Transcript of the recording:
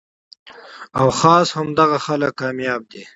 او خاص همدغه خلک کامياب دي